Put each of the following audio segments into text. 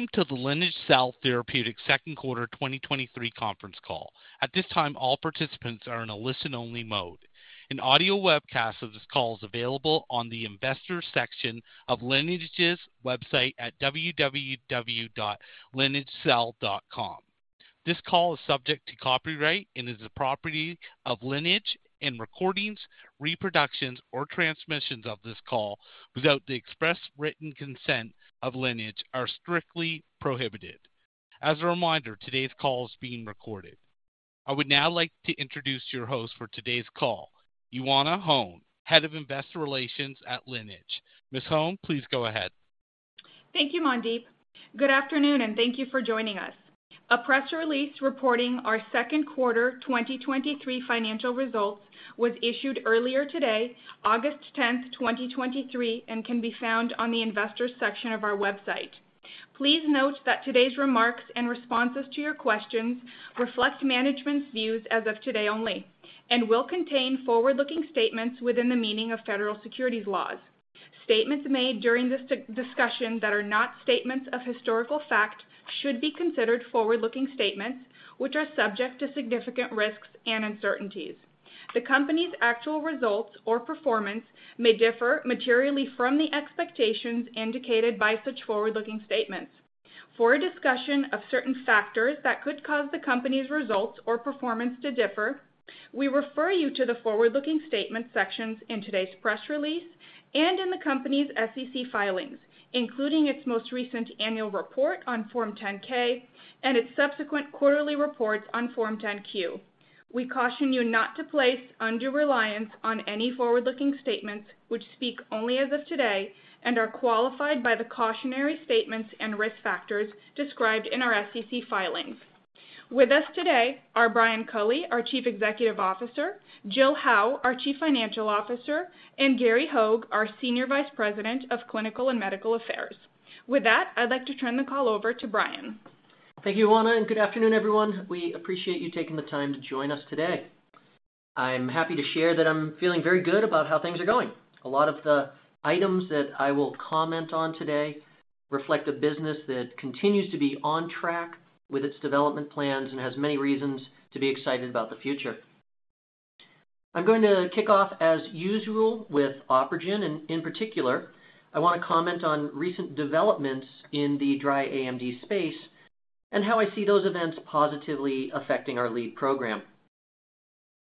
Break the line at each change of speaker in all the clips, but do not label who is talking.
Welcome to the Lineage Cell Therapeutics Second Quarter 2023 conference call. At this time, all participants are in a listen-only mode. An audio webcast of this call is available on the Investors section of Lineage's website at www.lineagecell.com. This call is subject to copyright and is the property of Lineage. Recordings, reproductions, or transmissions of this call without the express written consent of Lineage are strictly prohibited. As a reminder, today's call is being recorded. I would now like to introduce your host for today's call, Ioana Hone, Head of Investor Relations at Lineage. Ms. Hone, please go ahead.
Thank you, Mandeep. Good afternoon, and thank you for joining us. A press release reporting our second quarter 2023 financial results was issued earlier today, August 10th, 2023, and can be found on the Investors section of our website. Please note that today's remarks and responses to your questions reflect management's views as of today only and will contain forward-looking statements within the meaning of federal securities laws. Statements made during this discussion that are not statements of historical fact should be considered forward-looking statements, which are subject to significant risks and uncertainties. The Company's actual results or performance may differ materially from the expectations indicated by such forward-looking statements. For a discussion of certain factors that could cause the Company's results or performance to differ, we refer you to the forward-looking statements sections in today's press release and in the Company's SEC filings, including its most recent annual report on Form 10-K and its subsequent quarterly reports on Form 10-Q. We caution you not to place undue reliance on any forward-looking statements, which speak only as of today and are qualified by the cautionary statements and risk factors described in our SEC filings. With us today are Brian Culley, our Chief Executive Officer, Jill Howe, our Chief Financial Officer, and Gary Hogge, our Senior Vice President of Clinical and Medical Affairs. With that, I'd like to turn the call over to Brian.
Thank you, Ioana. Good afternoon, everyone. We appreciate you taking the time to join us today. I'm happy to share that I'm feeling very good about how things are going. A lot of the items that I will comment on today reflect a business that continues to be on track with its development plans and has many reasons to be excited about the future. I'm going to kick off, as usual, with OpRegen. In particular, I want to comment on recent developments in the dry AMD space and how I see those events positively affecting our lead program.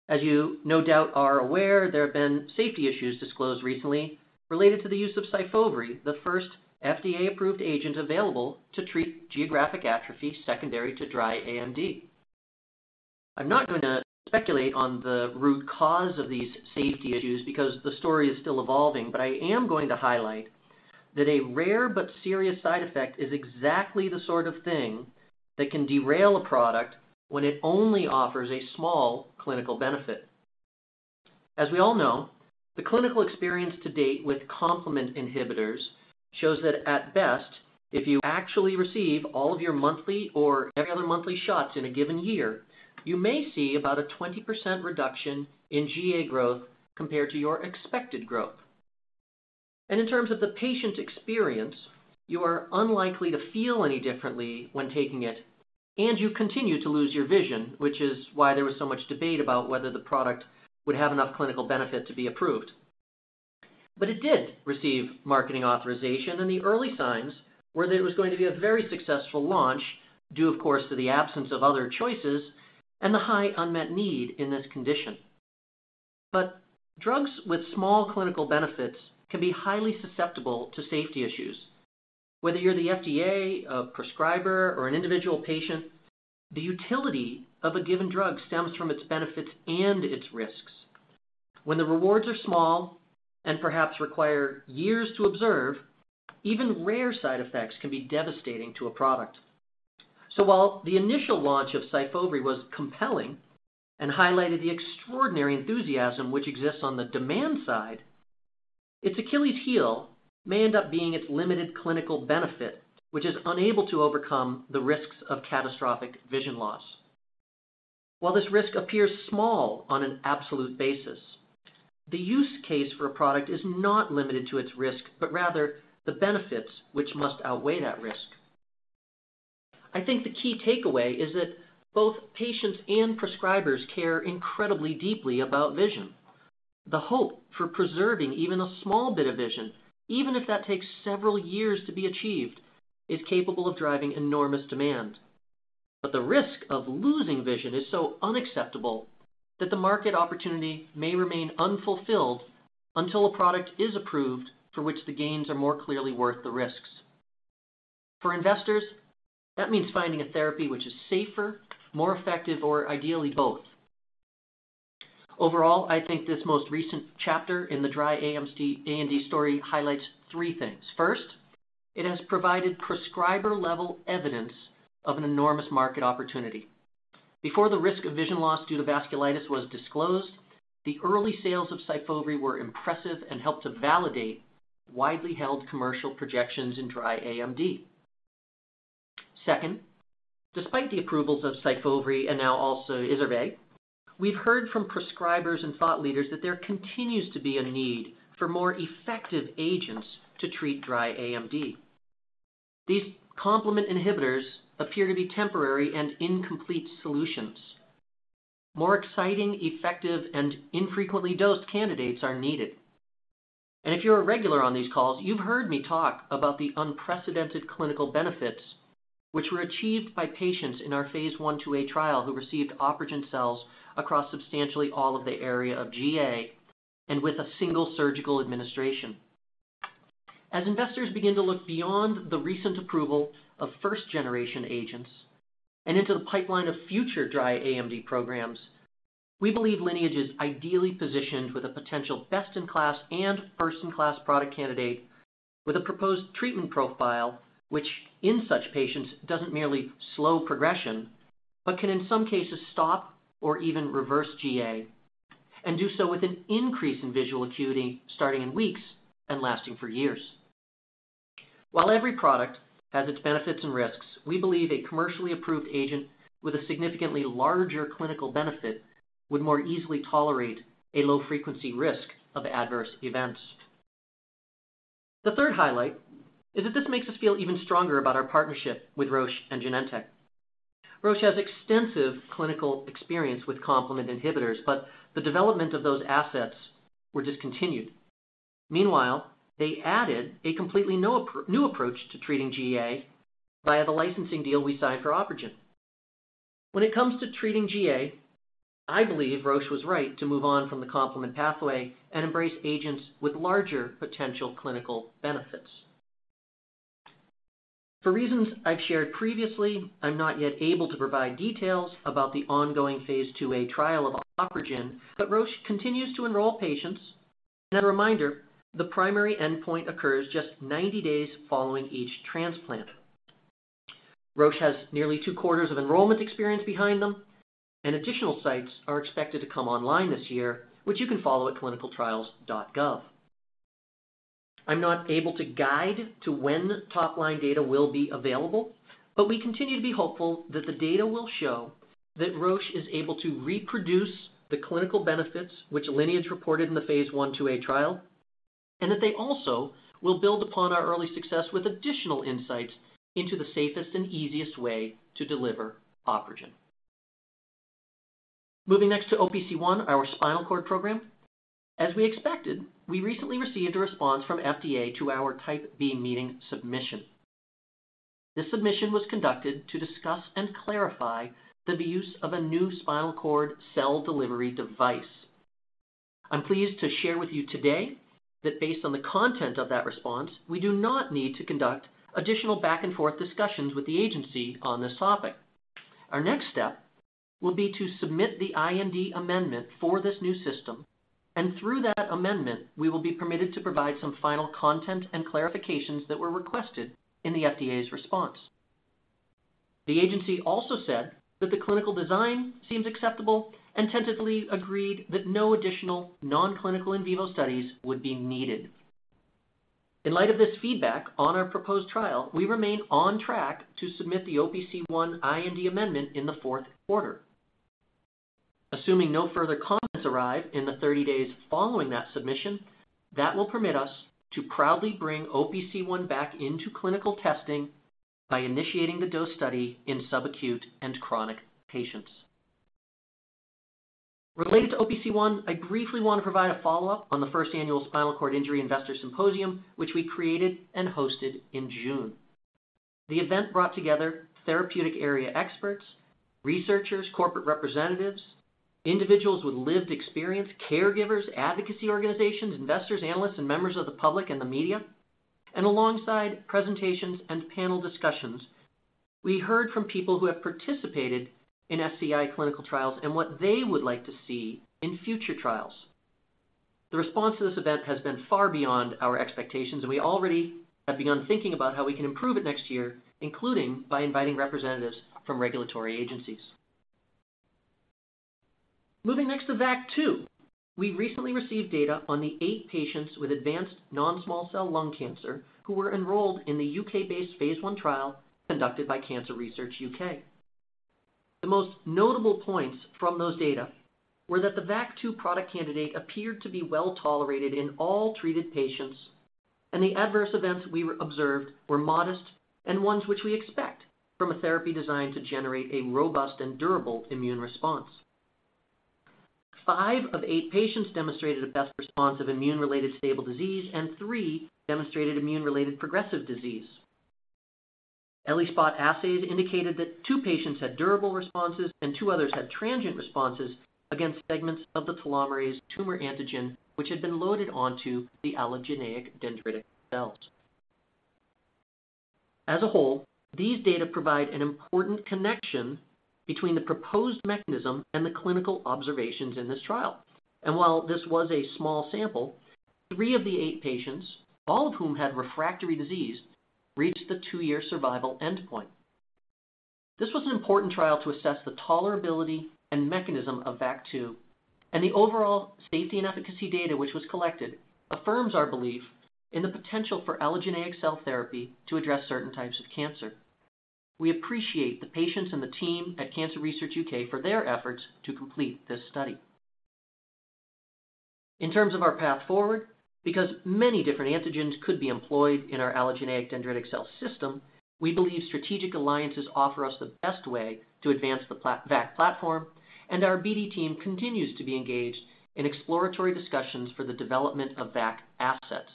As you no doubt are aware, there have been safety issues disclosed recently related to the use of Syfovre, the first FDA-approved agent available to treat geographic atrophy secondary to dry AMD. I'm not going to speculate on the root cause of these safety issues because the story is still evolving, but I am going to highlight that a rare but serious side effect is exactly the sort of thing that can derail a product when it only offers a small clinical benefit. As we all know, the clinical experience to date with complement inhibitors shows that at best, if you actually receive all of your monthly or every other monthly shots in a given year, you may see about a 20% reduction in GA growth compared to your expected growth. In terms of the patient experience, you are unlikely to feel any differently when taking it, and you continue to lose your vision, which is why there was so much debate about whether the product would have enough clinical benefit to be approved. It did receive marketing authorization, and the early signs were that it was going to be a very successful launch, due of course, to the absence of other choices and the high unmet need in this condition. Drugs with small clinical benefits can be highly susceptible to safety issues. Whether you're the FDA, a prescriber, or an individual patient, the utility of a given drug stems from its benefits and its risks. When the rewards are small and perhaps require years to observe, even rare side effects can be devastating to a product. While the initial launch of Syfovre was compelling and highlighted the extraordinary enthusiasm which exists on the demand side, its Achilles heel may end up being its limited clinical benefit, which is unable to overcome the risks of catastrophic vision loss. While this risk appears small on an absolute basis, the use case for a product is not limited to its risk, but rather the benefits which must outweigh that risk. I think the key takeaway is that both patients and prescribers care incredibly deeply about vision. The hope for preserving even a small bit of vision, even if that takes several years to be achieved, is capable of driving enormous demand. The risk of losing vision is so unacceptable that the market opportunity may remain unfulfilled until a product is approved for which the gains are more clearly worth the risks. For investors, that means finding a therapy which is safer, more effective, or ideally, both. Overall, I think this most recent chapter in the dry AMD, AMD story highlights three things: First, it has provided prescriber-level evidence of an enormous market opportunity. Before the risk of vision loss due to vasculitis was disclosed, the early sales of Syfovre were impressive and helped to validate widely held commercial projections in dry AMD. Second. Despite the approvals of Syfovre and now also Izervay, we've heard from prescribers and thought leaders that there continues to be a need for more effective agents to treat dry AMD. These complement inhibitors appear to be temporary and incomplete solutions. More exciting, effective, and infrequently dosed candidates are needed. If you're a regular on these calls, you've heard me talk about the unprecedented clinical benefits which were achieved by patients in our Phase I/IIa trial who received OpRegen cells across substantially all of the area of GA and with a single surgical administration. As investors begin to look beyond the recent approval of first-generation agents and into the pipeline of future dry AMD programs, we believe Lineage is ideally positioned with a potential best-in-class and first-in-class product candidate with a proposed treatment profile, which in such patients, doesn't merely slow progression, but can in some cases stop or even reverse GA, and do so with an increase in visual acuity starting in weeks and lasting for years. While every product has its benefits and risks, we believe a commercially approved agent with a significantly larger clinical benefit would more easily tolerate a low-frequency risk of adverse events. The third highlight is that this makes us feel even stronger about our partnership with Roche and Genentech. Roche has extensive clinical experience with complement inhibitors, but the development of those assets were discontinued. Meanwhile, they added a completely new approach to treating GA via the licensing deal we signed for OpRegen. When it comes to treating GA, I believe Roche was right to move on from the complement pathway and embrace agents with larger potential clinical benefits. For reasons I've shared previously, I'm not yet able to provide details about the ongoing Phase I/IIa trial of OpRegen, but Roche continues to enroll patients. A reminder, the primary endpoint occurs just 90 days following each transplant. Roche has nearly two quarters of enrollment experience behind them, and additional sites are expected to come online this year, which you can follow at clinicaltrials.gov. I'm not able to guide to when top-line data will be available. We continue to be hopeful that the data will show that Roche is able to reproduce the clinical benefits which Lineage reported in the Phase I/IIa trial, that they also will build upon our early success with additional insights into the safest and easiest way to deliver OpRegen. Moving next to OPC1, our spinal cord program. As we expected, we recently received a response from FDA to our Type B meeting submission. This submission was conducted to discuss and clarify the use of a new spinal cord cell delivery device. I'm pleased to share with you today that based on the content of that response, we do not need to conduct additional back-and-forth discussions with the agency on this topic. Our next step will be to submit the IND amendment for this new system. Through that amendment, we will be permitted to provide some final content and clarifications that were requested in the FDA's response. The agency also said that the clinical design seems acceptable and tentatively agreed that no additional non-clinical in vivo studies would be needed. In light of this feedback on our proposed trial, we remain on track to submit the OPC1 IND amendment in the fourth quarter. Assuming no further comments arrive in the 30 days following that submission, that will permit us to proudly bring OPC1 back into clinical testing by initiating the dose study in subacute and chronic patients. Related to OPC1, I briefly want to provide a follow-up on the first annual Spinal Cord Injury Investor Symposium, which we created and hosted in June. The event brought together therapeutic area experts, researchers, corporate representatives, individuals with lived experience, caregivers, advocacy organizations, investors, analysts, and members of the public and the media. Alongside presentations and panel discussions, we heard from people who have participated in SCI clinical trials and what they would like to see in future trials. The response to this event has been far beyond our expectations, and we already have begun thinking about how we can improve it next year, including by inviting representatives from regulatory agencies. Moving next to VAC2. We recently received data on the 8 patients with advanced non-small cell lung cancer who were enrolled in the U.K.-based phase I trial conducted by Cancer Research UK. The most notable points from those data were that the VAC2 product candidate appeared to be well tolerated in all treated patients, and the adverse events we observed were modest and ones which we expect from a therapy designed to generate a robust and durable immune response. Five of eight patients demonstrated a best response of immune-related stable disease, and three demonstrated immune-related progressive disease. ELISpot assays indicated that two patients had durable responses and two others had transient responses against segments of the telomerase tumor antigen, which had been loaded onto the allogeneic dendritic cells. While this was a small sample, three of the eight patients, all of whom had refractory disease, reached the two-year survival endpoint. This was an important trial to assess the tolerability and mechanism of VAC2, the overall safety and efficacy data, which was collected, affirms our belief in the potential for allogeneic cell therapy to address certain types of cancer. We appreciate the patients and the team at Cancer Research UK for their efforts to complete this study. In terms of our path forward, because many different antigens could be employed in our allogeneic dendritic cell system, we believe strategic alliances offer us the best way to advance the VAC platform, our BD team continues to be engaged in exploratory discussions for the development of VAC assets.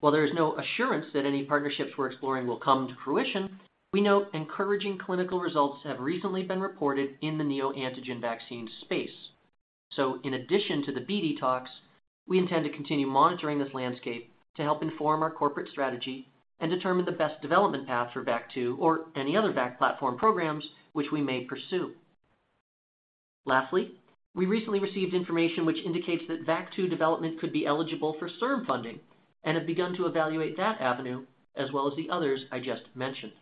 While there is no assurance that any partnerships we're exploring will come to fruition, we note encouraging clinical results have recently been reported in the neoantigen vaccine space. In addition to the BD talks, we intend to continue monitoring this landscape to help inform our corporate strategy and determine the best development path for VAC2 or any other VAC platform programs which we may pursue. Lastly, we recently received information which indicates that VAC2 development could be eligible for CIRM funding and have begun to evaluate that avenue as well as the others I just mentioned.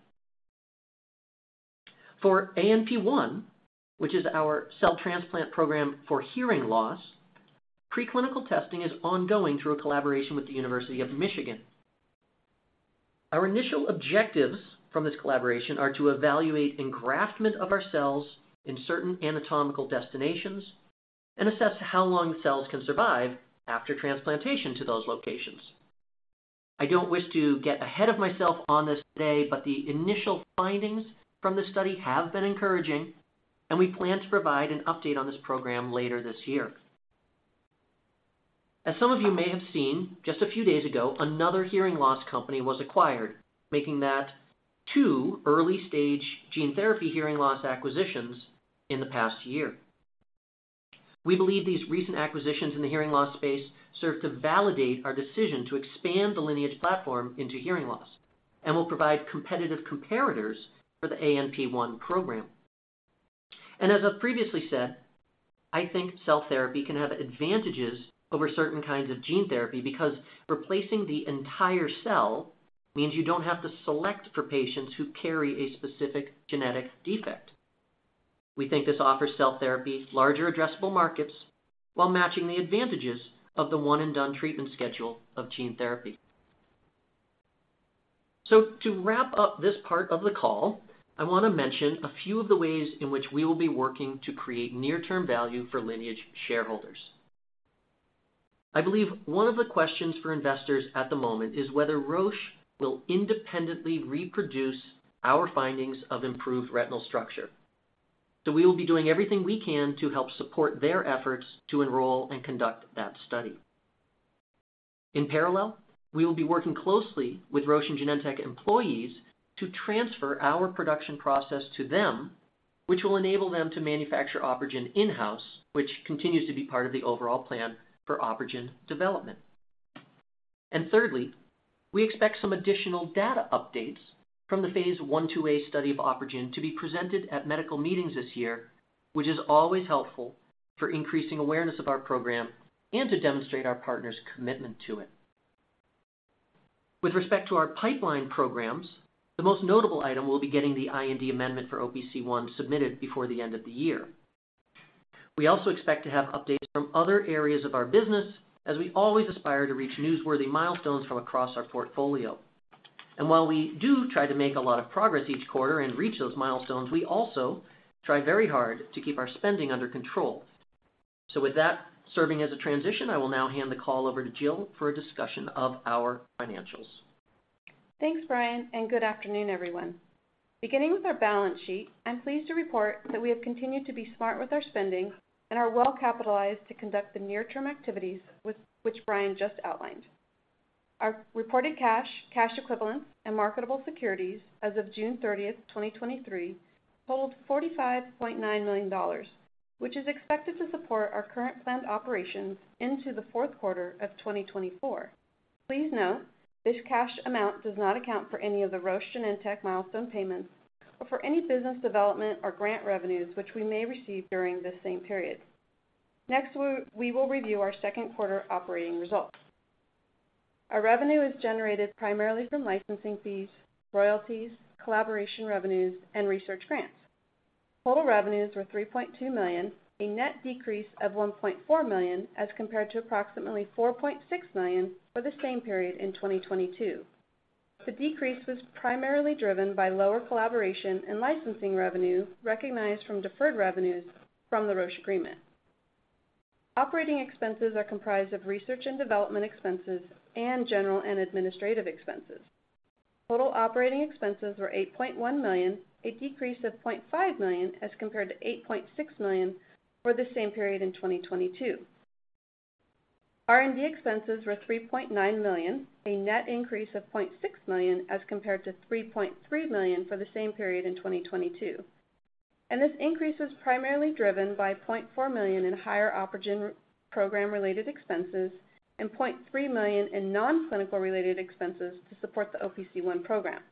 For ANP1, which is our cell transplant program for hearing loss, preclinical testing is ongoing through a collaboration with the University of Michigan. Our initial objectives from this collaboration are to evaluate engraftment of our cells in certain anatomical destinations and assess how long cells can survive after transplantation to those locations. I don't wish to get ahead of myself on this today, but the initial findings from this study have been encouraging, and we plan to provide an update on this program later this year. As some of you may have seen, just a few days ago, another hearing loss company was acquired, making that two early-stage gene therapy hearing loss acquisitions in the past year. We believe these recent acquisitions in the hearing loss space serve to validate our decision to expand the Lineage platform into hearing loss and will provide competitive comparators for the ANP1 program. As I've previously said, I think cell therapy can have advantages over certain kinds of gene therapy because replacing the entire cell means you don't have to select for patients who carry a specific genetic defect. We think this offers cell therapy larger addressable markets, while matching the advantages of the one-and-done treatment schedule of gene therapy. To wrap up this part of the call, I want to mention a few of the ways in which we will be working to create near-term value for Lineage shareholders. I believe one of the questions for investors at the moment is whether Roche will independently reproduce our findings of improved retinal structure. We will be doing everything we can to help support their efforts to enroll and conduct that study. In parallel, we will be working closely with Roche and Genentech employees to transfer our production process to them, which will enable them to manufacture OpRegen in-house, which continues to be part of the overall plan for OpRegen development. Thirdly, we expect some additional data updates from the Phase I/IIa study of OpRegen to be presented at medical meetings this year, which is always helpful for increasing awareness of our program and to demonstrate our partner's commitment to it. With respect to our pipeline programs, the most notable item will be getting the IND amendment for OPC1 submitted before the end of the year. We also expect to have updates from other areas of our business, as we always aspire to reach newsworthy milestones from across our portfolio. While we do try to make a lot of progress each quarter and reach those milestones, we also try very hard to keep our spending under control. With that serving as a transition, I will now hand the call over to Jill for a discussion of our financials.
Thanks, Brian. Good afternoon, everyone. Beginning with our balance sheet, I'm pleased to report that we have continued to be smart with our spending and are well capitalized to conduct the near-term activities which Brian just outlined. Our reported cash, cash equivalents, and marketable securities as of June 30, 2023, totaled $45.9 million, which is expected to support our current planned operations into the fourth quarter of 2024. Please note, this cash amount does not account for any of the Roche Genentech milestone payments or for any business development or grant revenues, which we may receive during this same period. Next, we will review our second quarter operating results. Our revenue is generated primarily from licensing fees, royalties, collaboration revenues, and research grants. Total revenues were $3.2 million, a net decrease of $1.4 million, as compared to approximately $4.6 million for the same period in 2022. The decrease was primarily driven by lower collaboration and licensing revenue recognized from deferred revenues from the Roche agreement. Operating expenses are comprised of research and development expenses and general and administrative expenses. Total operating expenses were $8.1 million, a decrease of $0.5 million, as compared to $8.6 million for the same period in 2022. R&D expenses were $3.9 million, a net increase of $0.6 million, as compared to $3.3 million for the same period in 2022. This increase was primarily driven by $0.4 million in higher OpRegen program-related expenses and $0.3 million in non-clinical-related expenses to support the OPC1 program.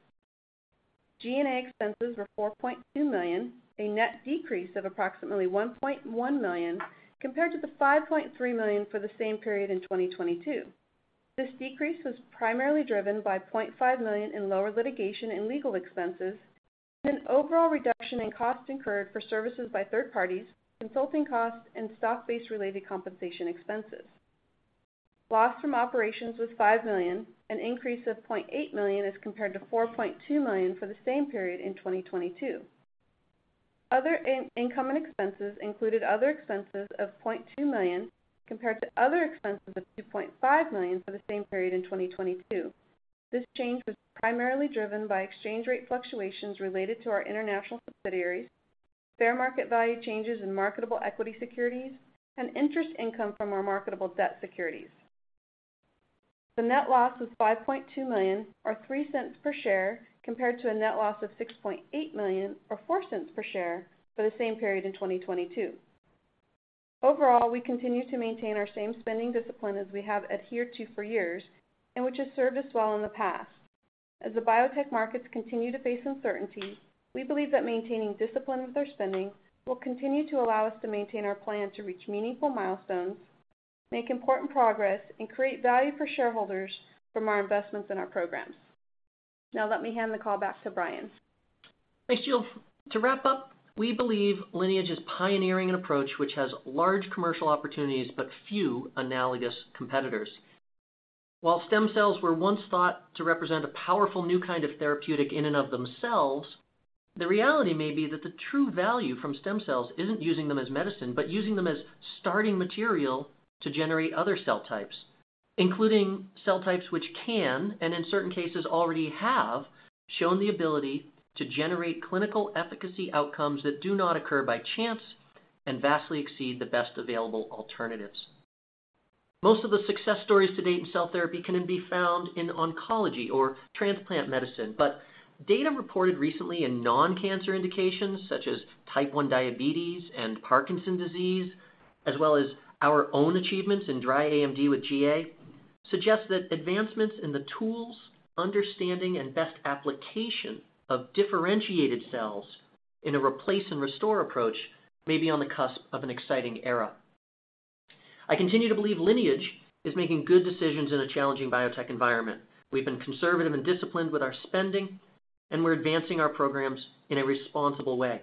G&A expenses were $4.2 million, a net decrease of approximately $1.1 million, compared to the $5.3 million for the same period in 2022. This decrease was primarily driven by $0.5 million in lower litigation and legal expenses. An overall reduction in costs incurred for services by third parties, consulting costs, and stock-based related compensation expenses. Loss from operations was $5 million, an increase of $0.8 million, as compared to $4.2 million for the same period in 2022. Other in- income and expenses included other expenses of $0.2 million, compared to other expenses of $2.5 million for the same period in 2022. This change was primarily driven by exchange rate fluctuations related to our international subsidiaries, fair market value changes in marketable equity securities, and interest income from our marketable debt securities. The net loss was $5.2 million, or $0.03 per share, compared to a net loss of $6.8 million, or $0.04 per share, for the same period in 2022. Overall, we continue to maintain our same spending discipline as we have adhered to for years and which has served us well in the past. As the biotech markets continue to face uncertainty, we believe that maintaining discipline with our spending will continue to allow us to maintain our plan to reach meaningful milestones, make important progress, and create value for shareholders from our investments in our programs. Now let me hand the call back to Brian.
Thanks, Jill. To wrap up, we believe Lineage is pioneering an approach which has large commercial opportunities but few analogous competitors. While stem cells were once thought to represent a powerful new kind of therapeutic in and of themselves, the reality may be that the true value from stem cells isn't using them as medicine, but using them as starting material to generate other cell types, including cell types which can, and in certain cases, already have shown the ability to generate clinical efficacy outcomes that do not occur by chance and vastly exceed the best available alternatives. Most of the success stories to date in cell therapy can be found in oncology or transplant medicine, but data reported recently in non-cancer indications, such as type 1 diabetes and Parkinson's disease, as well as our own achievements in dry AMD with GA, suggests that advancements in the tools, understanding, and best application of differentiated cells in a replace and restore approach may be on the cusp of an exciting era. I continue to believe Lineage is making good decisions in a challenging biotech environment. We've been conservative and disciplined with our spending, and we're advancing our programs in a responsible way.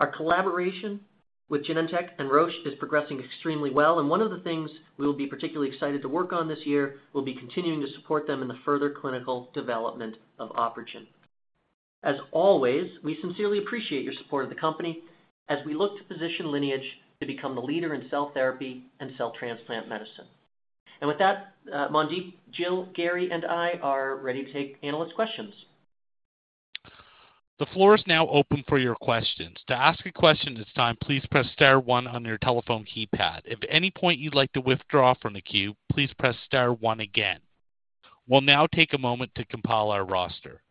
Our collaboration with Genentech and Roche is progressing extremely well, and one of the things we will be particularly excited to work on this year will be continuing to support them in the further clinical development of OpRegen. As always, we sincerely appreciate your support of the company as we look to position Lineage to become the leader in cell therapy and cell transplant medicine. With that, Mandeep, Jill, Gary, and I are ready to take analyst questions.
The floor is now open for your questions. To ask a question this time, please press star one on your telephone keypad. If at any point you'd like to withdraw from the queue, please press star one again. We'll now take a moment to compile our roster.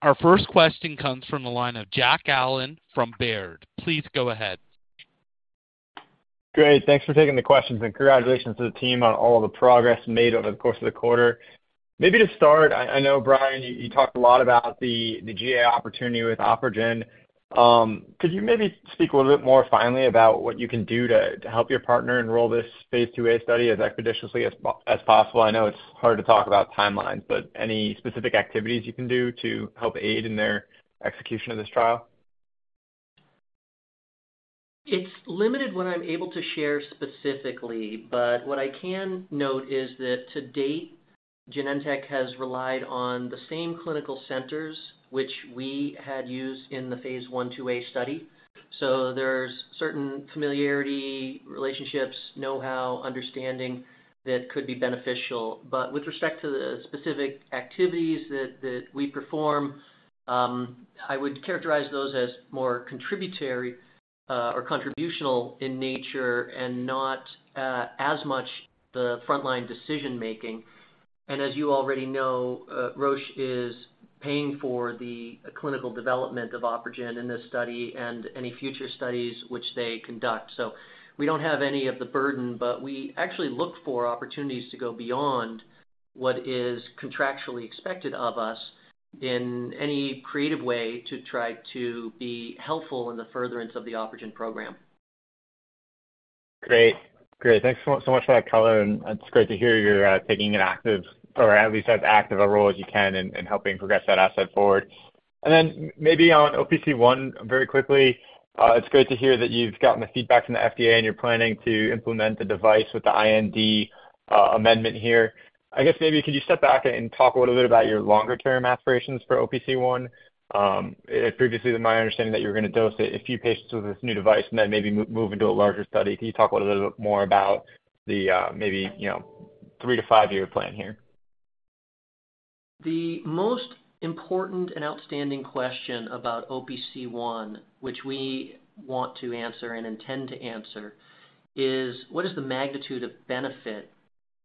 Our first question comes from the line of Jack Allen from Baird. Please go ahead.
Great. Thanks for taking the questions, and congratulations to the team on all the progress made over the course of the quarter. Maybe to start, I, I know, Brian, you, you talked a lot about the, the GA opportunity with OpRegen. Could you maybe speak a little bit more finely about what you can do to, to help your partner enroll this Phase I/IIa study as expeditiously as possible? I know it's hard to talk about timelines, but any specific activities you can do to help aid in their execution of this trial?
It's limited what I'm able to share specifically, but what I can note is that to date, Genentech has relied on the same clinical centers, which we had used in the Phase I/IIa study. There's certain familiarity, relationships, know-how, understanding that could be beneficial. With respect to the specific activities that, that we perform, I would characterize those as more contributary or contributional in nature and not as much the frontline decision-making. As you already know, Roche is paying for the clinical development of OpRegen in this study and any future studies which they conduct. We don't have any of the burden, but we actually look for opportunities to go beyond what is contractually expected of us in any creative way to try to be helpful in the furtherance of the OpRegen program.
Great. Great. Thanks so much for that color, and it's great to hear you're taking an active, or at least as active a role as you can in, in helping progress that asset forward. Maybe on OPC1, very quickly, it's great to hear that you've gotten the feedback from the FDA, and you're planning to implement the device with the IND amendment here. I guess maybe could you step back and talk a little bit about your longer-term aspirations for OPC1? Previously, my understanding that you were gonna dose it a few patients with this new device and then maybe move into a larger study. Can you talk a little bit more about the maybe, you know, three-to-five-year plan here?
The most important and outstanding question about OPC1, which we want to answer and intend to answer, is what is the magnitude of benefit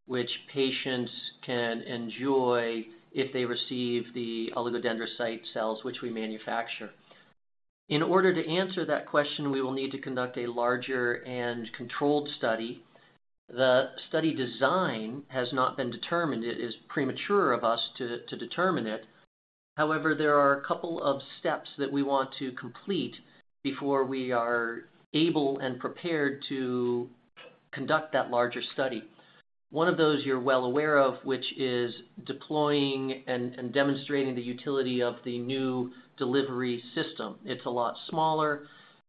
which patients can enjoy if they receive the oligodendrocyte cells, which we manufacture? In order to answer that question, we will need to conduct a larger and controlled study. The study design has not been determined. It is premature of us to determine it. However, there are a couple of steps that we want to complete before we are able and prepared to conduct that larger study. One of those you're well aware of, which is deploying and demonstrating the utility of the new delivery system. It's a lot smaller,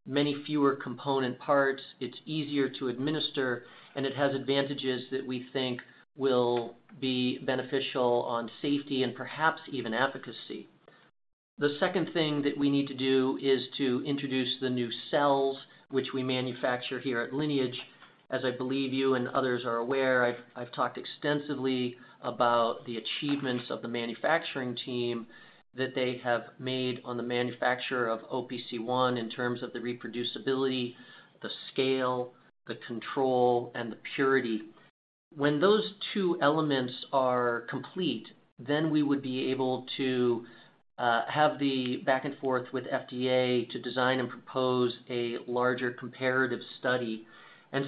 many fewer component parts. It's easier to administer, and it has advantages that we think will be beneficial on safety and perhaps even efficacy. The second thing that we need to do is to introduce the new cells, which we manufacture here at Lineage. As I believe you and others are aware, I've, I've talked extensively about the achievements of the manufacturing team, that they have made on the manufacture of OPC1 in terms of the reproducibility, the scale, the control, and the purity. When those two elements are complete, then we would be able to have the back and forth with FDA to design and propose a larger comparative study.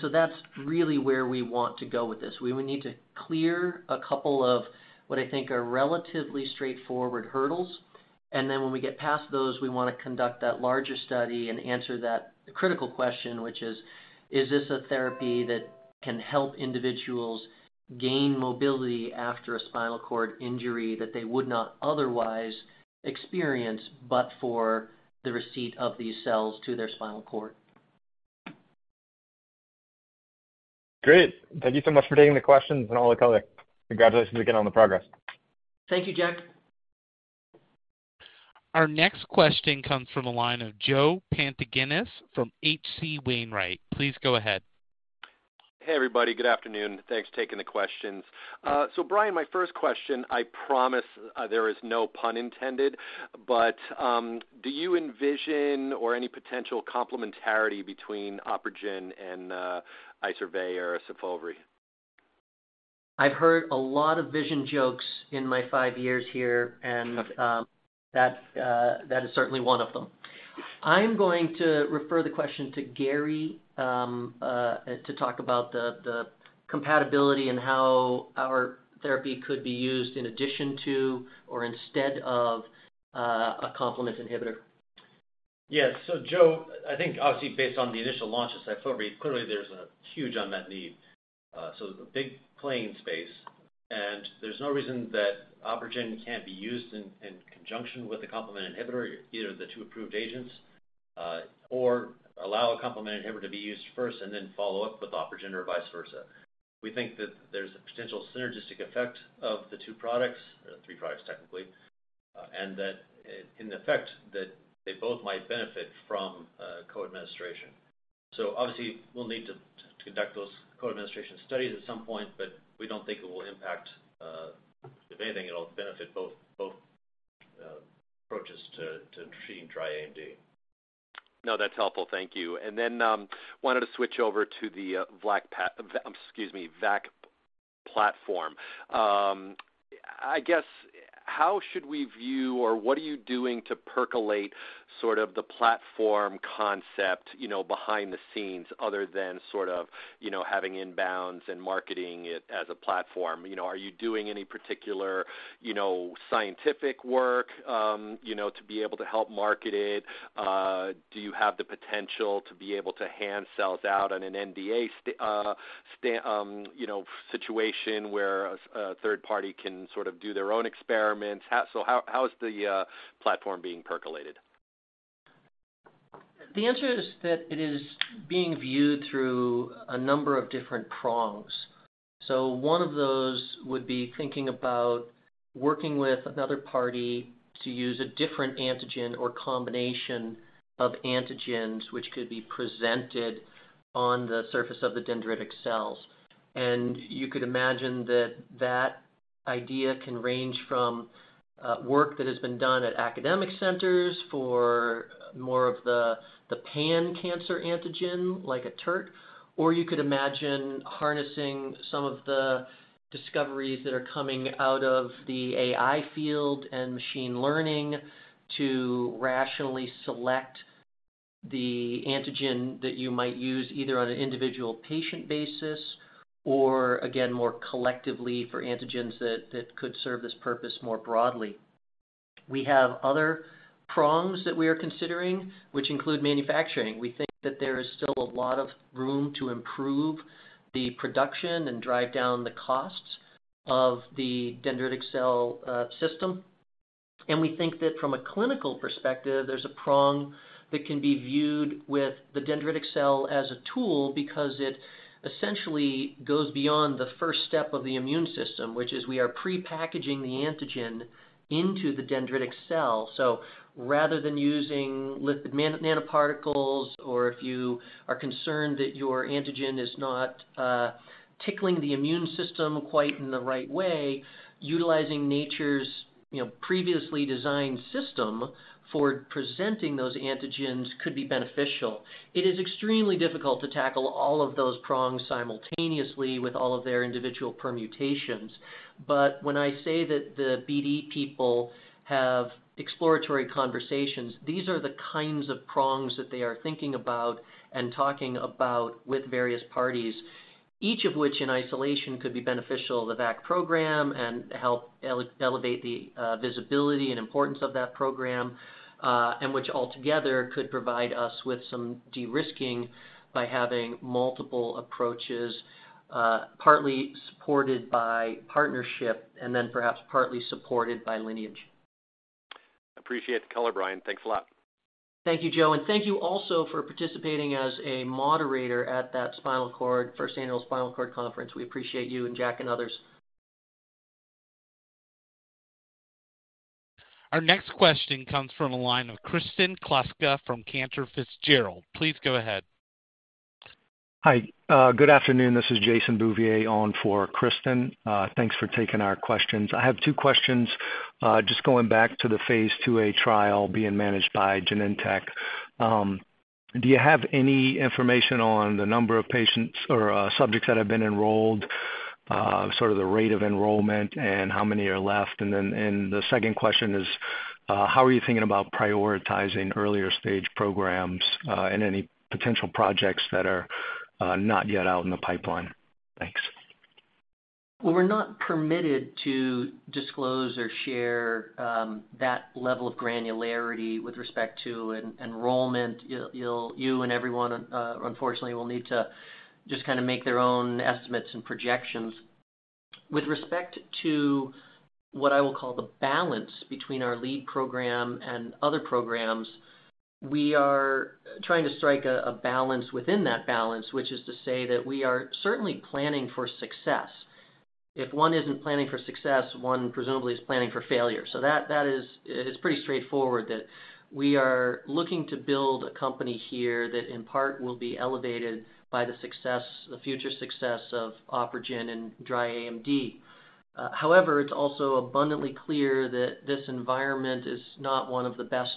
So that's really where we want to go with this. We would need to clear a couple of what I think are relatively straightforward hurdles, and then when we get past those, we wanna conduct that larger study and answer that critical question, which is: Is this a therapy that can help individuals gain mobility after a spinal cord injury that they would not otherwise experience, but for the receipt of these cells to their spinal cord?
Great. Thank you so much for taking the questions and all the color. Congratulations again on the progress.
Thank you, Jack.
Our next question comes from the line of Joseph Pantginis from H.C. Wainwright. Please go ahead.
Hey, everybody. Good afternoon. Thanks for taking the questions. Brian, my first question, I promise, there is no pun intended, do you envision or any potential complementarity between OpRegen and Izervay or Syfovre?
I've heard a lot of vision jokes in my five years here, and that is certainly one of them. I'm going to refer the question to Gary to talk about the compatibility and how our therapy could be used in addition to or instead of a complement inhibitor.
Yes. Joe, I think obviously based on the initial launch of Syfovre, clearly there's a huge unmet need, so a big playing space, and there's no reason that OpRegen can't be used in conjunction with a complement inhibitor, either of the two approved agents, or allow a complement inhibitor to be used first and then follow up with OpRegen or vice versa. We think that there's a potential synergistic effect of the two products, or three products technically, and that in effect, that they both might benefit from co-administration. Obviously we'll need to conduct those co-administration studies at some point, but we don't think it will impact. If anything, it'll benefit both, both approaches to treating dry AMD.
No, that's helpful. Thank you. Then wanted to switch over to the VAC platform. I guess, how should we view or what are you doing to percolate sort of the platform concept, you know, behind the scenes other than sort of, you know, having inbounds and marketing it as a platform? You know, are you doing any particular, you know, scientific work, you know, to be able to help market it? Do you have the potential to be able to hand cells out on an NDA situation where a, a third party can sort of do their own experiments? How is the platform being percolated?
The answer is that it is being viewed through a number of different prongs. One of those would be thinking about working with another party to use a different antigen or combination of antigens, which could be presented on the surface of the dendritic cells. You could imagine that that idea can range from work that has been done at academic centers for more of the pan-cancer antigen, like a TERT, or you could imagine harnessing some of the discoveries that are coming out of the AI field and machine learning to rationally select the antigen that you might use, either on an individual patient basis or, again, more collectively for antigens that could serve this purpose more broadly. We have other prongs that we are considering, which include manufacturing. We think that there is still a lot of room to improve the production and drive down the costs of the dendritic cell system. We think that from a clinical perspective, there's a prong that can be viewed with the dendritic cell as a tool because it essentially goes beyond the first step of the immune system, which is we are prepackaging the antigen into the dendritic cell. Rather than using lipid nanoparticles, or if you are concerned that your antigen is not tickling the immune system quite in the right way, utilizing nature's, you know, previously designed system for presenting those antigens could be beneficial. It is extremely difficult to tackle all of those prongs simultaneously with all of their individual permutations. When I say that the BD people have exploratory conversations, these are the kinds of prongs that they are thinking about and talking about with various parties. Each of which in isolation could be beneficial to the VAC program and help elevate the visibility and importance of that program, and which altogether could provide us with some de-risking by having multiple approaches, partly supported by partnership, and then perhaps partly supported by Lineage.
Appreciate the color, Brian. Thanks a lot.
Thank you, Joe, and thank you also for participating as a moderator at that Spinal Cord, First Annual Spinal Cord Conference. We appreciate you and Jack and others.
Our next question comes from the line of Kristen Kluska from Cantor Fitzgerald. Please go ahead.
Hi, good afternoon. This is Jason Bouvier on for Kristen. Thanks for taking our questions. I have two questions. Just going back to the phase IIa trial being managed by Genentech. Do you have any information on the number of patients or subjects that have been enrolled? Sort of the rate of enrollment and how many are left? The second question is, how are you thinking about prioritizing earlier stage programs, and any potential projects that are not yet out in the pipeline? Thanks.
Well, we're not permitted to disclose or share that level of granularity with respect to enrollment. You'll, you and everyone, unfortunately, will need to just kinda make their own estimates and projections. With respect to what I will call the balance between our lead program and other programs, we are trying to strike a balance within that balance, which is to say that we are certainly planning for success. If one isn't planning for success, one presumably is planning for failure. That, that is, it's pretty straightforward, that we are looking to build a company here that, in part, will be elevated by the success, the future success of OpRegen and dry AMD. However, it's also abundantly clear that this environment is not one of the best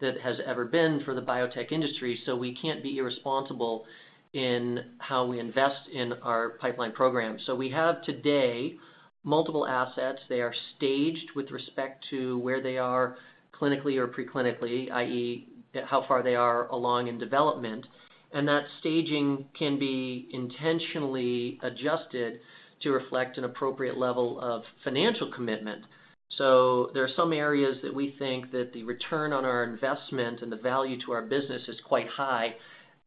that has ever been for the biotech industry, so we can't be irresponsible in how we invest in our pipeline program. We have today, multiple assets. They are staged with respect to where they are clinically or preclinically, i.e., how far they are along in development, and that staging can be intentionally adjusted to reflect an appropriate level of financial commitment. There are some areas that we think that the return on our investment and the value to our business is quite high.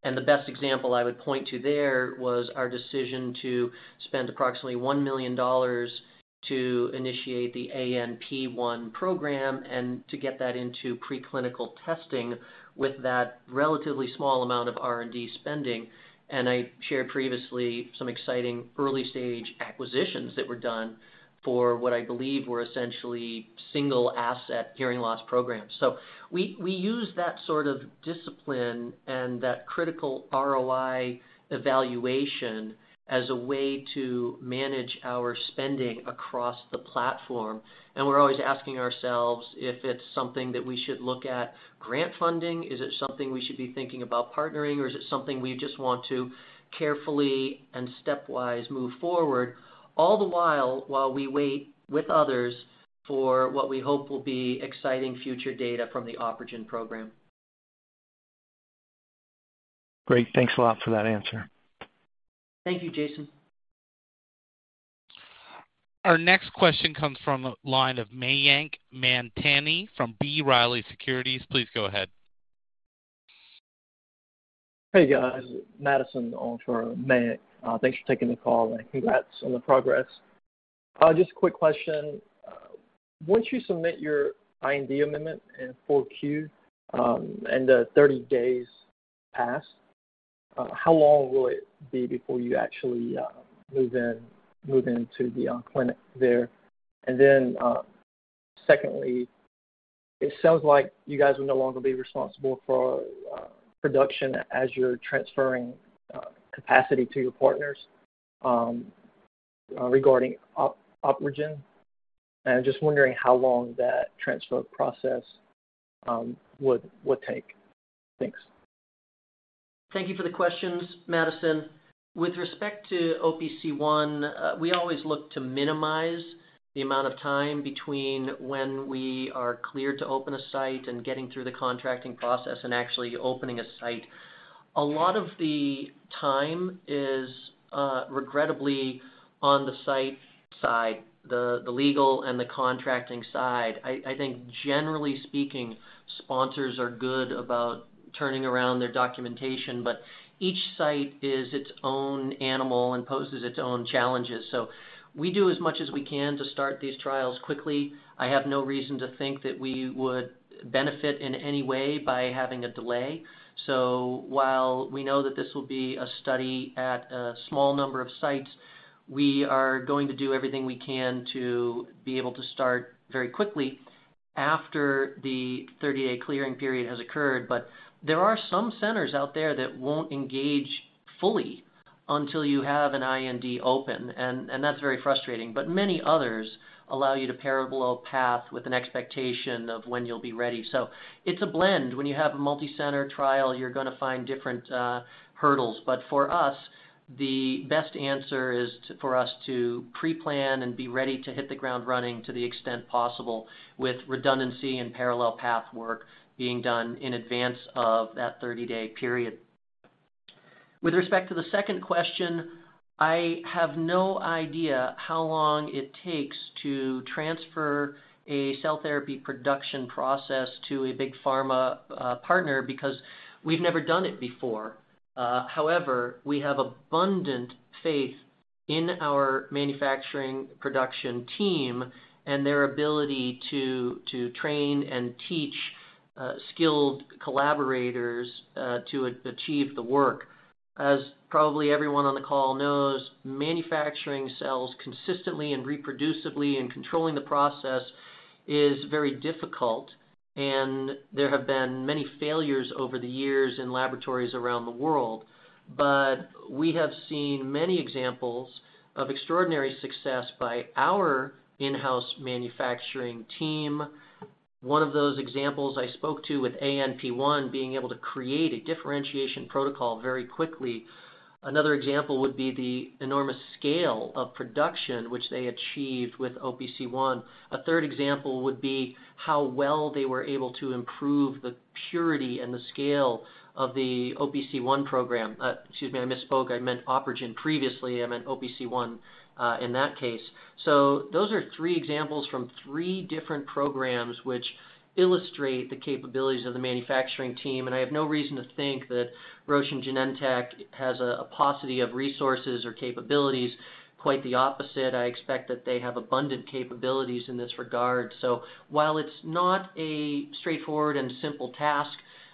The best example I would point to there was our decision to spend approximately $1 million to initiate the ANP1 program and to get that into preclinical testing with that relatively small amount of R&D spending. I shared previously some exciting early-stage acquisitions that were done for what I believe were essentially single asset hearing loss programs. We, we use that sort of discipline and that critical ROI evaluation as a way to manage our spending across the platform. We're always asking ourselves if it's something that we should look at grant funding, is it something we should be thinking about partnering, or is it something we just want to carefully and stepwise move forward? All the while, while we wait with others for what we hope will be exciting future data from the OpRegen program.
Great. Thanks a lot for that answer.
Thank you, Jason.
Our next question comes from the line of Mayank Mamtani from B. Riley Securities. Please go ahead.
Hey, guys. Madison on for Mayank. Thanks for taking the call, and congrats on the progress. Just a quick question. Once you submit your IND amendment in 4Q, and the 30 days pass, how long will it be before you actually move in, move into the clinic there? Secondly, it sounds like you guys will no longer be responsible for production as you're transferring capacity to your partners, regarding OpRegen, and I'm just wondering how long that transfer process would take. Thanks.
Thank you for the questions, Madison. With respect to OPC1, we always look to minimize the amount of time between when we are clear to open a site and getting through the contracting process and actually opening a site. A lot of the time is regrettably on the site side, the, the legal and the contracting side. I, I think generally speaking, sponsors are good about turning around their documentation, but each site is its own animal and poses its own challenges. We do as much as we can to start these trials quickly. I have no reason to think that we would benefit in any way by having a delay. While we know that this will be a study at a small number of sites, we are going to do everything we can to be able to start very quickly after the 30-day clearing period has occurred. There are some centers out there that won't engage fully until you have an IND open, and that's very frustrating. Many others allow you to parallel path with an expectation of when you'll be ready. It's a blend. When you have a multi-center trial, you're gonna find different hurdles. For us, the best answer is to, for us to pre-plan and be ready to hit the ground running to the extent possible, with redundancy and parallel path work being done in advance of that 30-day period. With respect to the second question, I have no idea how long it takes to transfer a cell therapy production process to a big pharma partner, because we've never done it before. However, we have abundant faith in our manufacturing production team and their ability to, to train and teach skilled collaborators to achieve the work. As probably everyone on the call knows, manufacturing cells consistently and reproducibly and controlling the process is very difficult, and there have been many failures over the years in laboratories around the world. We have seen many examples of extraordinary success by our in-house manufacturing team. One of those examples I spoke to with ANP1, being able to create a differentiation protocol very quickly. Another example would be the enormous scale of production, which they achieved with OPC1. A third example would be how well they were able to improve the purity and the scale of the OPC1 program. Excuse me, I misspoke. I meant OpRegen previously, I meant OPC1 in that case. Those are three examples from three different programs, which illustrate the capabilities of the manufacturing team, and I have no reason to think that Roche and Genentech has a paucity of resources or capabilities. Quite the opposite. I expect that they have abundant capabilities in this regard. While it's not a straightforward and simple task,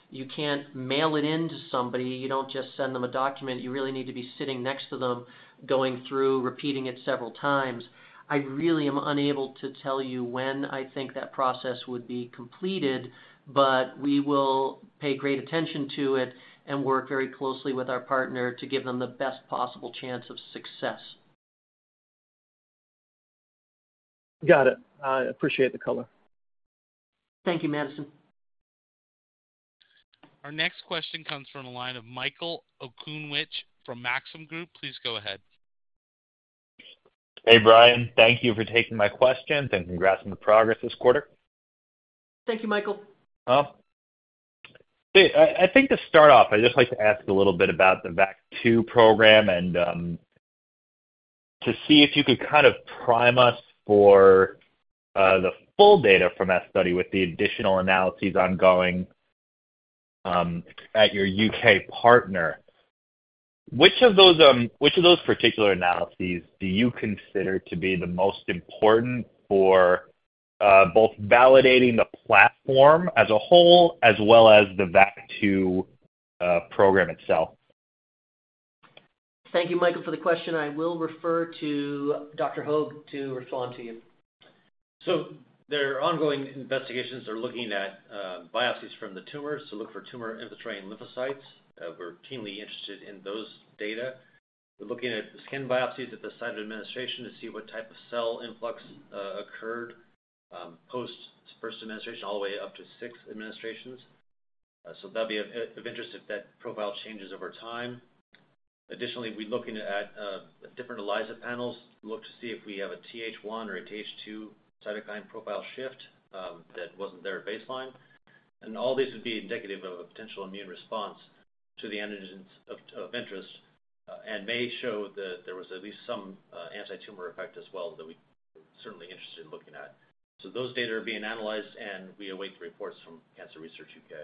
you can't mail it in to somebody. You don't just send them a document. You really need to be sitting next to them, going through, repeating it several times. I really am unable to tell you when I think that process would be completed, but we will pay great attention to it and work very closely with our partner to give them the best possible chance of success.
Got it. I appreciate the color.
Thank you, Madison.
Our next question comes from the line of Michael Okunewitch from Maxim Group. Please go ahead.
Hey, Brian. Thank you for taking my question, congrats on the progress this quarter.
Thank you, Michael.
I think to start off, I'd just like to ask a little bit about the VAC2 program and to see if you could kind of prime us for the full data from that study with the additional analyses ongoing at your U.K. partner. Which of those, which of those particular analyses do you consider to be the most important for both validating the platform as a whole as well as the VAC2 program itself?
Thank you, Michael, for the question. I will refer to Dr. Hogge to respond to you.
Their ongoing investigations are looking at biopsies from the tumors to look for tumor-infiltrating lymphocytes. We're keenly interested in those data. We're looking at skin biopsies at the site of administration to see what type of cell influx occurred post first administration, all the way up to six administrations. That'd be of interest if that profile changes over time. Additionally, we're looking at different ELISA panels to look to see if we have a Th1 or a Th2 cytokine profile shift that wasn't there at baseline. All these would be indicative of a potential immune response to the antigens of interest, and may show that there was at least some antitumor effect as well that we are certainly interested in looking at. Those data are being analyzed, and we await the reports from Cancer Research UK.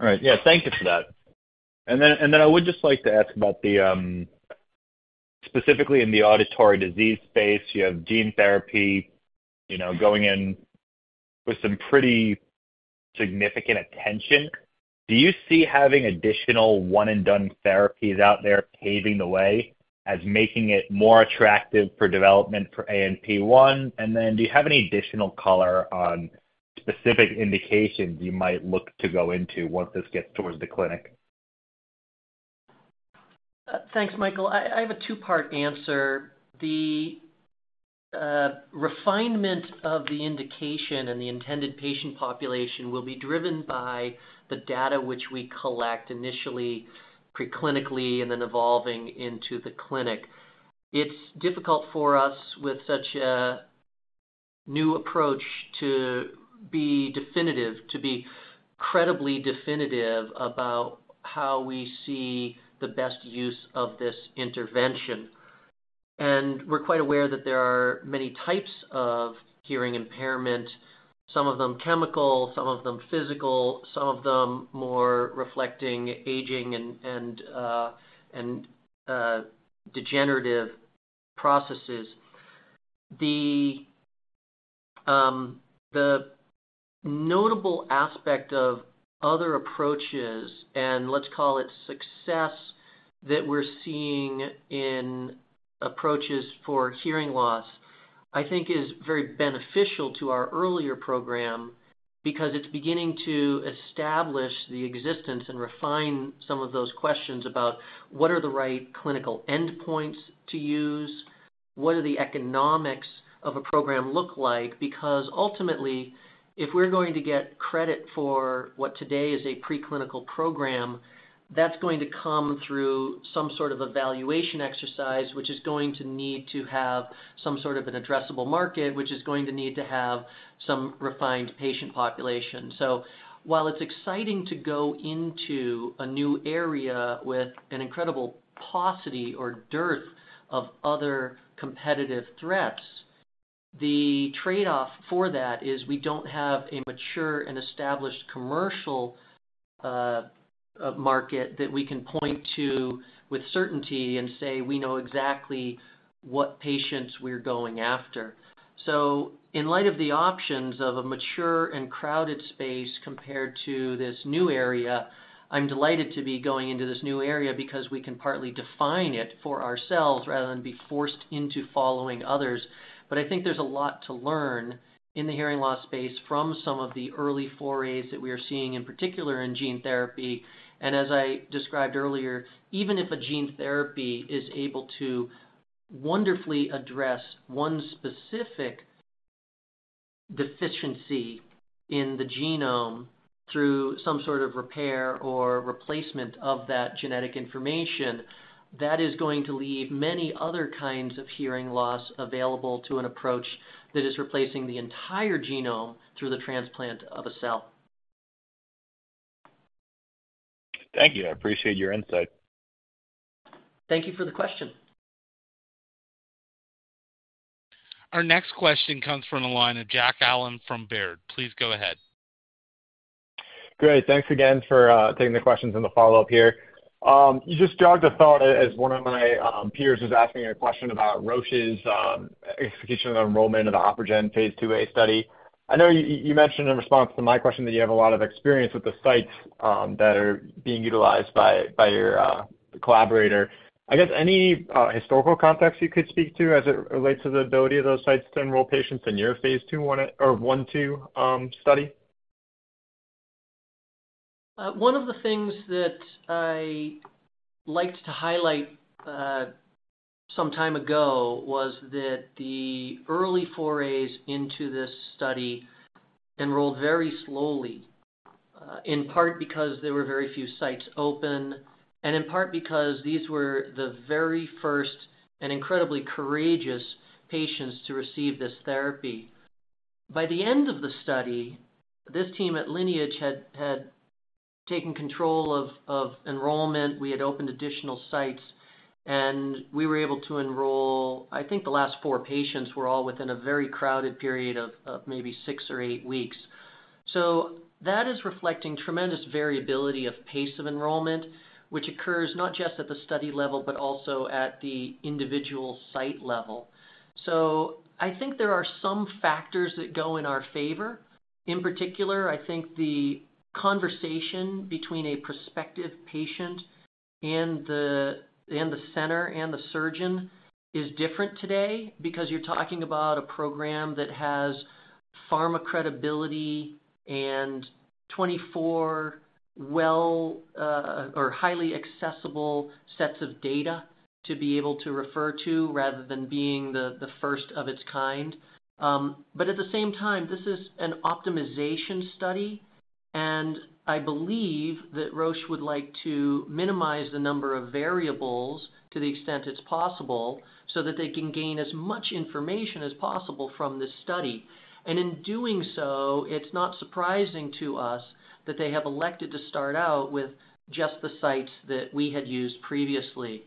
All right. Yeah, thank you for that. Then, and then I would just like to ask about the... Specifically in the auditory disease space, you have gene therapy, you know, going in with some pretty significant attention. Do you see having additional one-and-done therapies out there paving the way as making it more attractive for development for ANP1? Then, do you have any additional color on specific indications you might look to go into once this gets towards the clinic?
Thanks, Michael. I, I have a two-part answer. The refinement of the indication and the intended patient population will be driven by the data which we collect initially, pre-clinically, and then evolving into the clinic. It's difficult for us, with such a new approach, to be definitive, to be credibly definitive about how we see the best use of this intervention. We're quite aware that there are many types of hearing impairment, some of them chemical, some of them physical, some of them more reflecting aging and, and degenerative processes. The notable aspect of other approaches, and let's call it success that we're seeing in approaches for hearing loss, I think is very beneficial to our earlier program because it's beginning to establish the existence and refine some of those questions about what are the right clinical endpoints to use? What are the economics of a program look like? Ultimately, if we're going to get credit for what today is a preclinical program, that's going to come through some sort of evaluation exercise, which is going to need to have some sort of an addressable market, which is going to need to have some refined patient population. While it's exciting to go into a new area with an incredible paucity or dearth of other competitive threats, the trade-off for that is we don't have a mature and established commercial market that we can point to with certainty and say, we know exactly what patients we're going after. In light of the options of a mature and crowded space compared to this new area, I'm delighted to be going into this new area because we can partly define it for ourselves rather than be forced into following others. I think there's a lot to learn in the hearing loss space from some of the early forays that we are seeing, in particular in gene therapy. As I described earlier, even if a gene therapy is able to wonderfully address one specific deficiency in the genome through some sort of repair or replacement of that genetic information, that is going to leave many other kinds of hearing loss available to an approach that is replacing the entire genome through the transplant of a cell.
Thank you. I appreciate your insight.
Thank you for the question.
Our next question comes from the line of Jack Allen from Baird. Please go ahead.
Great. Thanks again for taking the questions and the follow-up here. You just jogged a thought as one of my peers was asking a question about Roche's execution and enrollment of the OpRegen phase IIa study. I know you, you mentioned in response to my question that you have a lot of experience with the sites that are being utilized by, by your collaborator. I guess, any historical context you could speak to as it relates to the ability of those sites to enroll patients in your Phase I/IIa study?
One of the things that I liked to highlight, some time ago was that the early forays into this study enrolled very slowly, in part because there were very few sites open, and in part because these were the very first and incredibly courageous patients to receive this therapy. By the end of the study, this team at Lineage had, had taken control of, of enrollment. We had opened additional sites, and we were able to enroll... I think the last four patients were all within a very crowded period of, of maybe six or eight weeks. That is reflecting tremendous variability of pace of enrollment, which occurs not just at the study level, but also at the individual site level. I think there are some factors that go in our favor. In particular, I think the conversation between a prospective patient and the center and the surgeon is different today because you're talking about a program that has pharma credibility and 24 well, or highly accessible sets of data to be able to refer to, rather than being the first of its kind. At the same time, this is an optimization study, and I believe that Roche would like to minimize the number of variables to the extent it's possible, so that they can gain as much information as possible from this study. In doing so, it's not surprising to us that they have elected to start out with just the sites that we had used previously.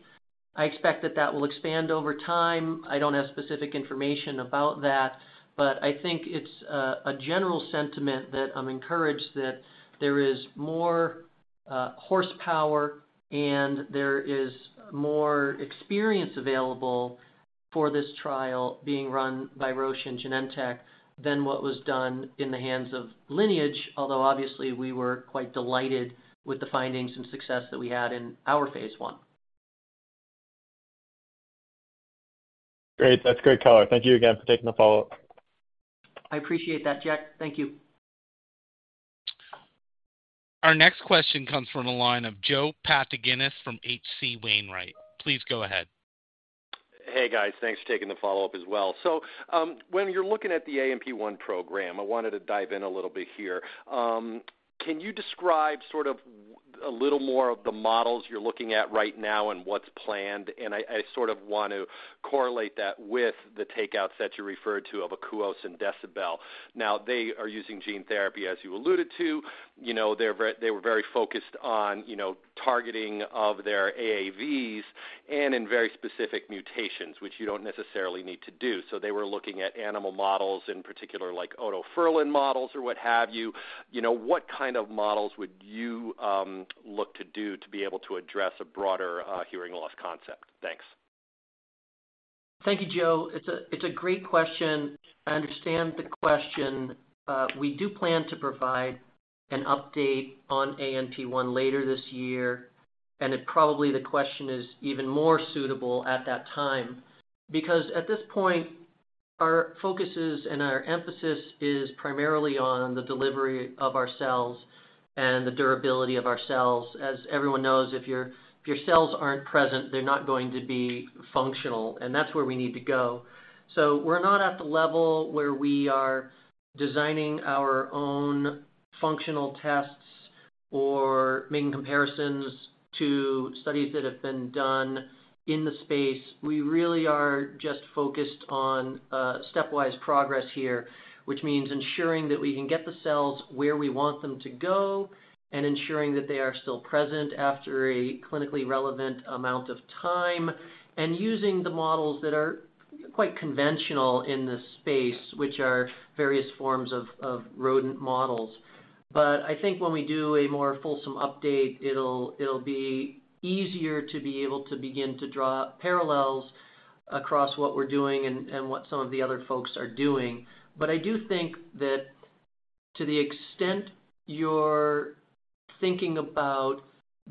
I expect that, that will expand over time. I don't have specific information about that, but I think it's a general sentiment that I'm encouraged that there is more horsepower and there is more experience available for this trial being run by Roche and Genentech than what was done in the hands of Lineage. Although obviously, we were quite delighted with the findings and success that we had in our phase I.
Great. That's great color. Thank you again for taking the follow-up.
I appreciate that, Jack. Thank you.
Our next question comes from the line of Joe Pantginis from H.C. Wainwright. Please go ahead.
Hey, guys. Thanks for taking the follow-up as well. When you're looking at the ANP1 program, I wanted to dive in a little bit here. Can you describe sort of a little more of the models you're looking at right now and what's planned? I, I sort of want to correlate that with the takeouts that you referred to of Akouos and Decibel. Now, they are using gene therapy, as you alluded to. You know, they were very focused on, you know, targeting of their AAVs and in very specific mutations, which you don't necessarily need to do. So they were looking at animal models, in particular, like otoferlin models or what have you. You know, what kind of models would you look to do to be able to address a broader hearing loss concept? Thanks.
Thank you, Joe. It's a great question. I understand the question. We do plan to provide an update on ANP1 later this year, and it probably the question is even more suitable at that time, because at this point, our focuses and our emphasis is primarily on the delivery of our cells and the durability of our cells. As everyone knows, if your cells aren't present, they're not going to be functional, and that's where we need to go. We're not at the level where we are designing our own functional tests. Or making comparisons to studies that have been done in the space. We really are just focused on stepwise progress here, which means ensuring that we can get the cells where we want them to go and ensuring that they are still present after a clinically relevant amount of time, and using the models that are quite conventional in this space, which are various forms of, of rodent models. I think when we do a more fulsome update, it'll, it'll be easier to be able to begin to draw parallels across what we're doing and, and what some of the other folks are doing. I do think that to the extent you're thinking about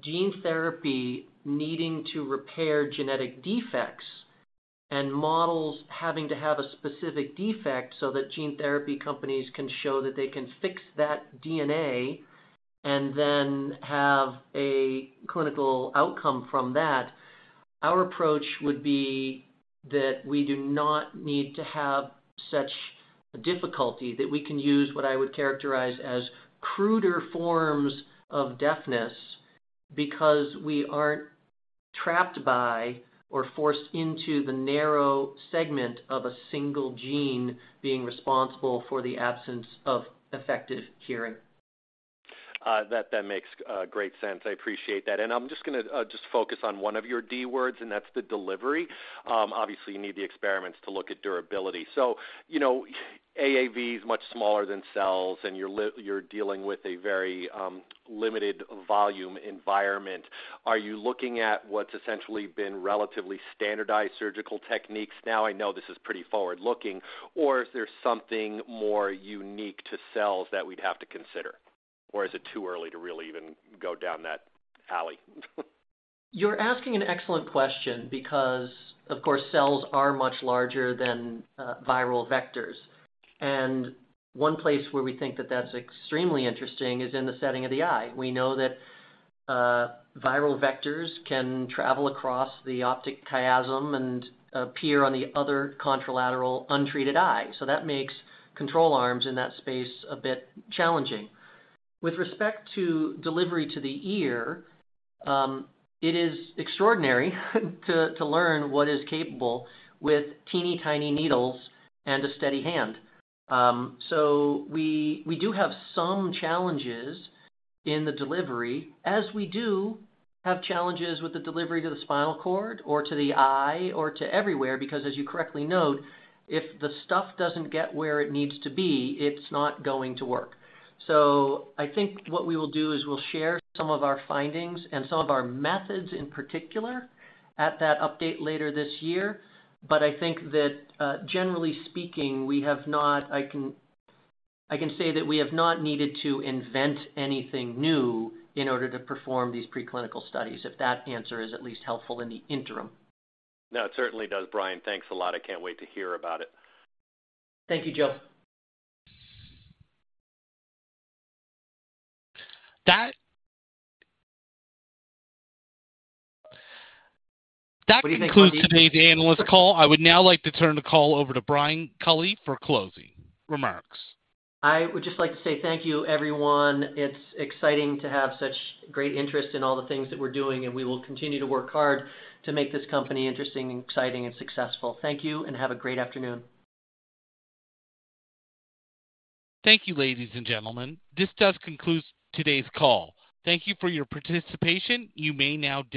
gene therapy needing to repair genetic defects and models having to have a specific defect, so that gene therapy companies can show that they can fix that DNA and then have a clinical outcome from that, our approach would be that we do not need to have such difficulty, that we can use what I would characterize as cruder forms of deafness, because we aren't trapped by or forced into the narrow segment of a single gene being responsible for the absence of effective hearing.
That, that makes great sense. I appreciate that. I'm just gonna just focus on one of your D words, and that's the delivery. Obviously, you need the experiments to look at durability. You know, AAV is much smaller than cells, and you're dealing with a very limited volume environment. Are you looking at what's essentially been relatively standardized surgical techniques? I know this is pretty forward-looking, or is there something more unique to cells that we'd have to consider? Is it too early to really even go down that alley?
You're asking an excellent question because, of course, cells are much larger than viral vectors. One place where we think that that's extremely interesting is in the setting of the eye. We know that viral vectors can travel across the optic chiasm and appear on the other contralateral untreated eye. That makes control arms in that space a bit challenging. With respect to delivery to the ear, it is extraordinary to learn what is capable with teeny-tiny needles and a steady hand. We, we do have some challenges in the delivery, as we do have challenges with the delivery to the spinal cord or to the eye or to everywhere, because as you correctly note, if the stuff doesn't get where it needs to be, it's not going to work. I think what we will do is we'll share some of our findings and some of our methods, in particular, at that update later this year. I think that, generally speaking, we have not... I can, I can say that we have not needed to invent anything new in order to perform these preclinical studies, if that answer is at least helpful in the interim.
No, it certainly does, Brian. Thanks a lot. I can't wait to hear about it.
Thank you, Joe.
That-
What do you think, Tony? That concludes today's analyst call. I would now like to turn the call over to Brian Culley for closing remarks. I would just like to say thank you, everyone. It's exciting to have such great interest in all the things that we're doing, and we will continue to work hard to make this company interesting and exciting, and successful. Thank you and have a great afternoon.
Thank you, ladies and gentlemen. This does conclude today's call. Thank you for your participation. You may now disconnect.